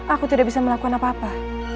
aku tidak bisa melakukan apa apa